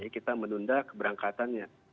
kita menunda keberangkatannya